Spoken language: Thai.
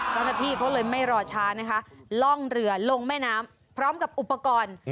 เจ้าหน้าที่เขาเลยไม่รอช้านะคะล่องเรือลงแม่น้ำพร้อมกับอุปกรณ์